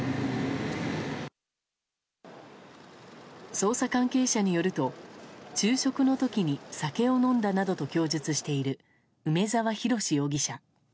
捜査関係者によると昼食の時に酒を飲んだなどと供述している梅沢洋容疑者。